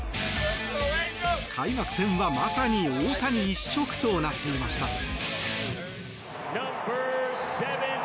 開幕戦はまさに大谷一色となっていました。